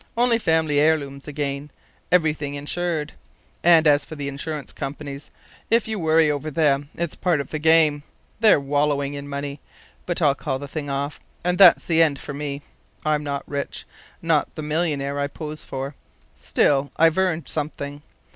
Only family heirlooms again everything insured. And as for the insurance companies, if you worry over them, it's part of the game. They're wallowing in money ... But I'll call the thing off. And that's the end for me. I'm not rich not the millionaire I pose for; still, I've earned something.